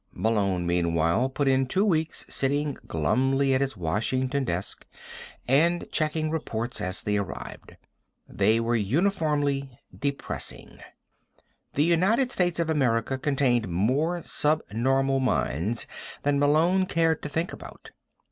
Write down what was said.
Malone, meanwhile, put in two weeks sitting glumly at his Washington desk and checking reports as they arrived. They were uniformly depressing. The United States of America contained more subnormal minds than Malone cared to think about.